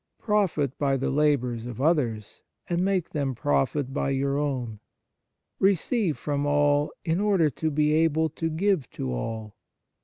Profit by the labours of others, and make them profit by your own. Receive from all, in order to be able to give to all.